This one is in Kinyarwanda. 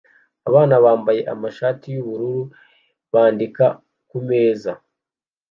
Abana bambaye amashati yubururu bandika kumeza